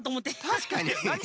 たしかに。